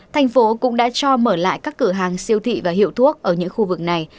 thành phố cũng đã cho mở lại các cửa hàng siêu thị và hiệu thuốc ở những khu vực này